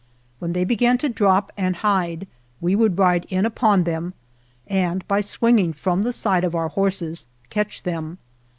When they began to drop and hide we would ride in upon them and by swinging from the side of our horses, catch them.